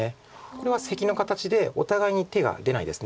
これはセキの形でお互いに手が出ないです。